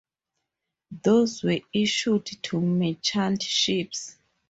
These were issued to merchant ships.